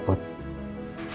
aku juga gak ada niat buat